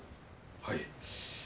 はい。